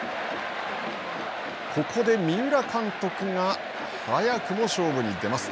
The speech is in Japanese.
ここで三浦監督が早くも勝負に出ます。